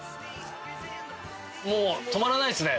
もう止まらないですね。